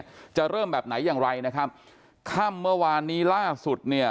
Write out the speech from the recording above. จะเริ่มแบบไหนอย่างไรนะครับค่ำเมื่อวานนี้ล่าสุดเนี่ย